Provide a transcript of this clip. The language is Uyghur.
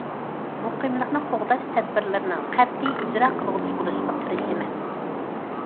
مۇقىملىقنى قوغداش تەدبىرلىرىنىڭ قەتئىي ئىجرا قىلغۇچىسى بولۇشقا تىرىشىمەن.